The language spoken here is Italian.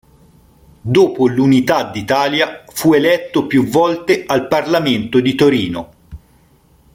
Dopo l'Unità d'Italia fu eletto più volte al Parlamento di Torino.